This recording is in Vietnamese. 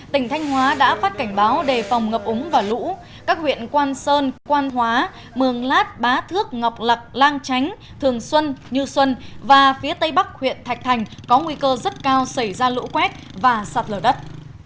tỉnh thanh hóa đã phát cảnh báo đề phòng ngập úng và lũ các huyện quan sơn quan hóa mường lát bá thước ngọc lạc lang chánh thường xuân như xuân và phía tây bắc huyện thạch thành có nguy cơ rất cao xảy ra lũ quét và sạt lở đất